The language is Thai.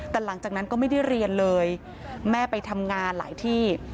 แต่หลังจากนั้นก็ไม่ได้เรียนเลยแม่ไปทำงานหลายที่